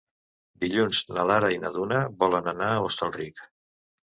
Dilluns na Lara i na Duna volen anar a Hostalric.